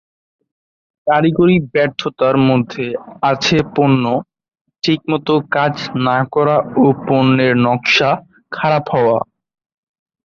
কারিগরি ব্যর্থতার মধ্যে আছে পণ্য ঠিকমত কাজ না করা ও পণ্যের নকশা খারাপ হওয়া।